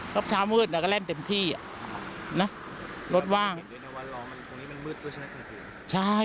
ก็เช้ามืดอ่ะก็เล่นเต็มที่อ่ะน่ะรถว่างวันรอมันตรงนี้มันมืดด้วยใช่ไหม